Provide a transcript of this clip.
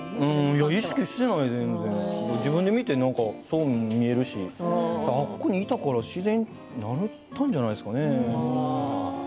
自分で見てそう見えるしあそこにいたから自然になったんじゃないですかね。